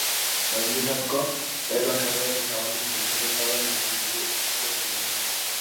La Mijas Cup es la carrera de caballos mejor dotada del calendario hípico español.